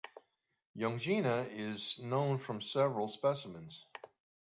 "Youngina" is known from several specimens.